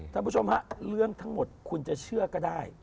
ท่านผู้ชมฮะเรื่องทั้งหมดคุณจะเชื่อก็ได้